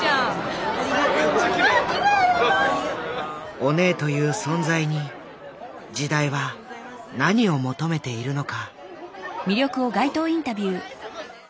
オネエという存在に時代は何を求めているのか。